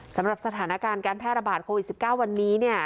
สำหรับสถานการณ์การแพร่ระบาดโควิด๑๙วันนี้เนี่ย